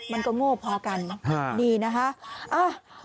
มันก็โง่พอกันเนอะนี่นะคะ